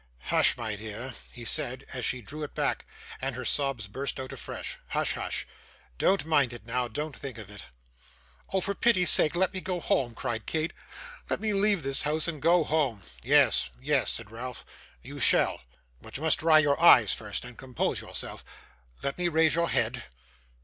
'Hush, my dear!' he said, as she drew it back, and her sobs burst out afresh. 'Hush, hush! Don't mind it, now; don't think of it.' 'Oh, for pity's sake, let me go home,' cried Kate. 'Let me leave this house, and go home.' 'Yes, yes,' said Ralph. 'You shall. But you must dry your eyes first, and compose yourself. Let me raise your head.